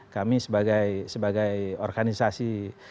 kami sebagai organisasi